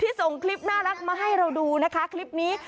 ส่งคลิปน่ารักมาให้เราดูนะคะคลิปนี้